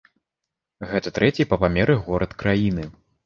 Гэта трэці па памеры горад краіны.